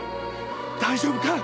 大丈夫か？